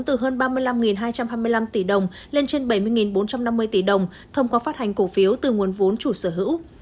từ hơn ba mươi năm hai trăm hai mươi năm tỷ đồng lên trên bảy mươi bốn trăm năm mươi tỷ đồng thông qua phát hành cổ phiếu từ nguồn vốn chủ sở hữu